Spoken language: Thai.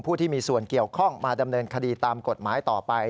ผู้ที่มีส่วนเกี่ยวข้องมาดำเนินคดีตามกฎหมายต่อไป